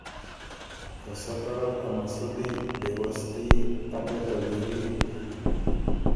که سۀ طرف ا مسُودی بېوستي، تنګه تغیري